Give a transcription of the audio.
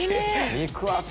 肉厚！